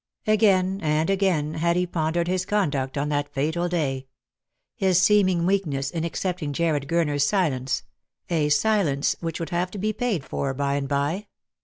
Again and again had he pondered his conduct on that fatal day — his seeming weakness in accepting Jarred Gurner's silence — a silence which would have to be paid for by and by.